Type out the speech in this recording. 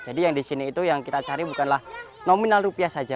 jadi yang di sini itu yang kita cari bukanlah nominal rupiah saja